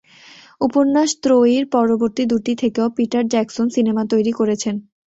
উপন্যাস ত্রয়ীর পরবর্তী দুটি থেকেও পিটার জ্যাকসন সিনেমা তৈরি করেছেন।